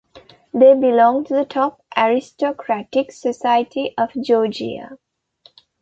They belonged to the top aristocratic society of Georgia.